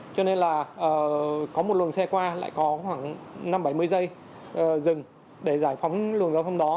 cho nên là có một luồng xe qua lại có khoảng năm bảy mươi giây dừng để giải phóng luồng giao thông đó